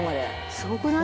すごくない？